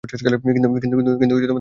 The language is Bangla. কিন্তু তাহার মন ভাঙিয়া গেছে।